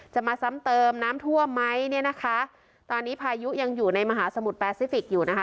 จะมาซ้ำเติมน้ำท่วมไหมเนี่ยนะคะตอนนี้พายุยังอยู่ในมหาสมุทรแปซิฟิกอยู่นะคะ